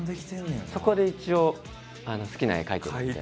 そこで一応好きな絵描いてるんで。